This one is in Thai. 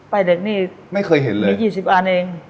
ป้ายเหล็กนี่ไม่เคยเห็นเลยมี๒๐อันเอง